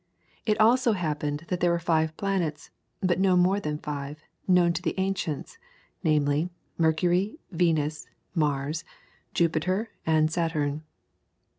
It also happened that there were five planets, but no more than five, known to the ancients, namely, Mercury, Venus, Mars, Jupiter, and Saturn.